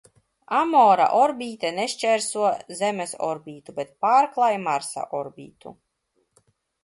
Amora orbīta nešķērso Zemes orbītu, bet pārklāj Marsa orbītu.